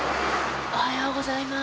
おはようございます。